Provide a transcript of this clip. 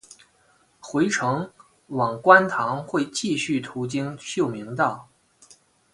回程往观塘会继续途经秀明道。